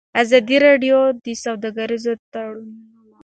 ازادي راډیو د سوداګریز تړونونه موضوع تر پوښښ لاندې راوستې.